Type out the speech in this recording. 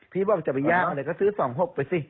พี่บอกจะไปย่างอะไรก็ซื้อ๒๖ไปสิ